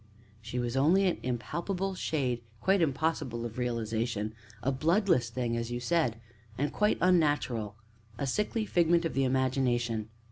"She was only an impalpable shade quite impossible of realization a bloodless thing, as you said, and quite unnatural a sickly figment of the imagination.